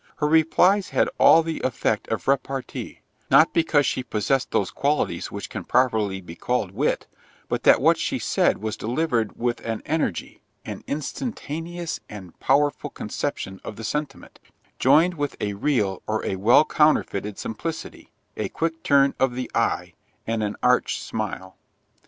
Her replies had all the effect of repartee, not because she possessed those qualities which can properly be called wit, but that what she said was delivered with an energy, an instantaneous and powerful conception of the sentiment, joined with a real or a well counterfeited simplicity, a quick turn of the eye, and an arch smile.